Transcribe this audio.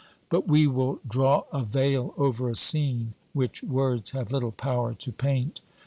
But we will draw a veil over a scene which words have little power to paint.